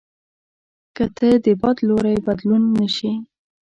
که ته د باد لوری بدلوای نه شې.